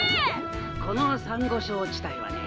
このサンゴ礁地帯はね